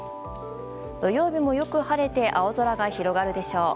土曜日もよく晴れて青空が広がるでしょう。